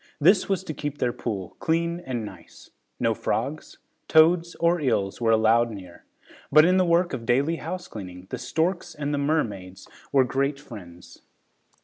This was to keep their pool clean and nice. No frogs, toads or eels were allowed near, but in the work of daily housecleaning, the storks and the mermaids were great friends.